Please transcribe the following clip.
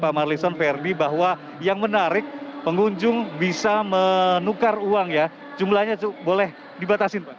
pak marlison ferdi bahwa yang menarik pengunjung bisa menukar uang ya jumlahnya boleh dibatasin